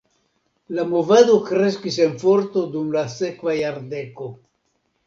La movado kreskis en forto dum la sekva jardeko.